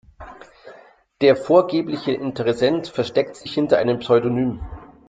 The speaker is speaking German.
Der vorgebliche Interessent versteckt sich hinter einem Pseudonym.